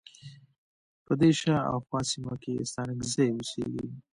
په دې شا او خواه سیمه کې ستانکزی اوسیږی.